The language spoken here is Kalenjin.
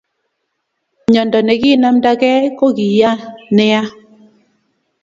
Myondo nekinamdakee kokiyaa nea